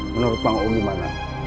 menurut bang ong gimana